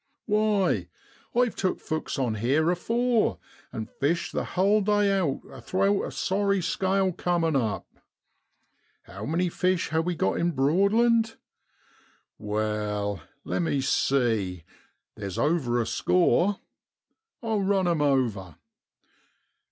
Why, I've took folks on heer afore, and fished the hull day out athowt a sorry scale comin' up. How many fish ha' we got in Broadland ? Wai, le' me see, theer's over a score. I'll run 'em over.